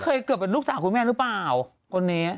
เกือบเป็นลูกสาวคุณแม่หรือเปล่าคนนี้